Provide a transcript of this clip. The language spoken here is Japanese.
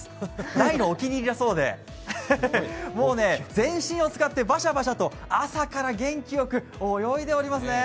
大のお気に入りだそうで、もうね、全身を使ってバシャバシャと朝から元気よく泳いでますね。